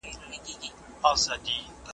ته چي کیسه کوې جانانه پر ما ښه لګیږي .